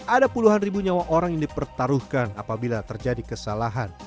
ada puluhan ribu nyawa orang yang dipertaruhkan apabila terjadi kesalahan